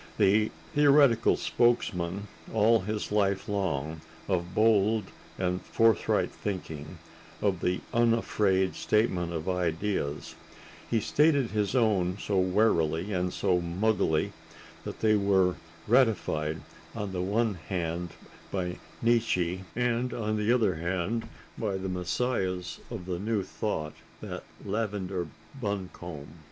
The theoretical spokesman, all his life long, of bold and forthright thinking, of the unafraid statement of ideas, he stated his own so warily and so muggily that they were ratified on the one hand by Nietzsche and on the other hand by the messiahs of the New Thought, that lavender buncombe.